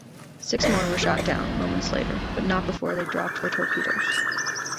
Six more were shot down moments later, but not before they dropped their torpedoes.